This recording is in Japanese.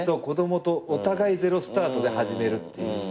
子供とお互いゼロスタートで始めるっていう。